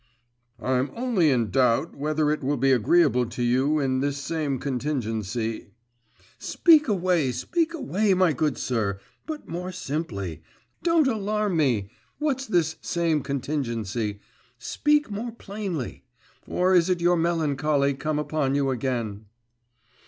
'I'm only in doubt, whether it will be agreeable to you in this same contingency ' 'Speak away, speak away, my good sir, but more simply. Don't alarm me! What's this same contingency? Speak more plainly. Or is it your melancholy come upon you again?